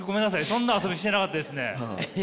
そんな遊びしてなかったですね。